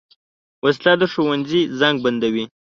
وسله د ښوونځي زنګ بندوي